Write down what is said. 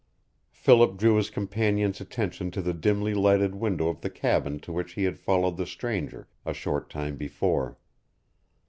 Philip drew his companion's attention to the dimly lighted window of the cabin to which he had followed the stranger a short time before.